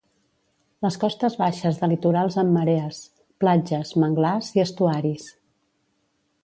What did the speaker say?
Les costes baixes de litorals amb marees: platges, manglars i estuaris.